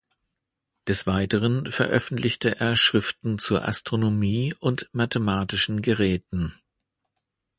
Des Weiteren veröffentlichte er Schriften zur Astronomie und mathematischen Geräten.